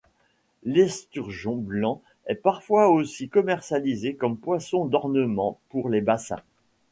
L'esturgeon blanc est parfois aussi commercialisée comme poisson d'ornement pour les bassins.